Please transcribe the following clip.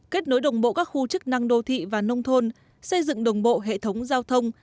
kết nối đồng bộ các khu chức năng đô thị và nông thôn xây dựng đồng bộ hệ thống giao thông